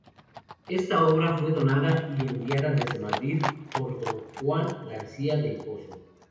Esta obra fue donada y enviada desde Madrid por don Juan García del Pozo.